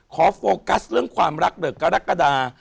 โฟกัสเรื่องความรักเหลือกรกฎา